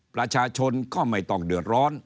ประชาชนก็ไม่ต้องเดือดร้อน